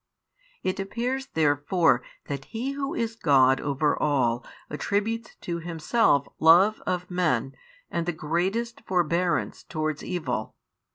It appears therefore that He Who is God over all attributes to Himself love of men and the greatest forbearance towards evil.